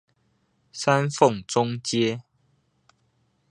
三鳳中街